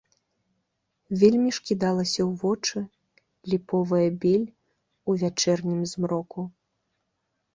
Вельмі ж кідалася ў вочы ліповая бель у вячэрнім змроку!